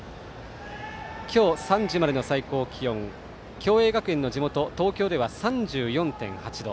今日３時までの最高気温共栄学園の地元・東京では３４．８度。